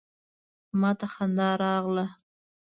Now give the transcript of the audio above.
ما ته خندا راغله.